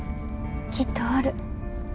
きっとおる。